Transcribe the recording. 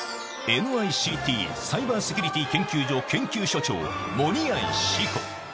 ＮＩＣＴ・サイバーセキュリティ研究所研究所長、盛合志帆。